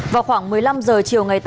vào khoảng một mươi năm h chiều ngày tám